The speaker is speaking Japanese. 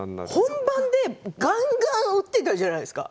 本番でがんがん打っていたじゃないですか。